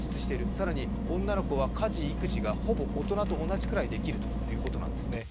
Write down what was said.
更に女の子は家事・育児がほぼ大人と同じくらいできるということです。